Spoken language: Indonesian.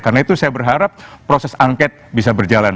karena itu saya berharap proses angket bisa berjalan